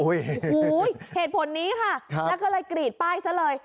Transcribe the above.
โอ้โหเหตุผลนี้ค่ะแล้วก็เลยกรีดป้ายซะเลย